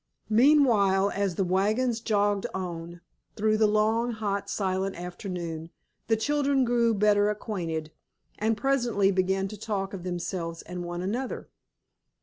Meanwhile as the wagons jogged on through the long, hot, silent afternoon the children grew better acquainted, and presently began to talk of themselves and one another.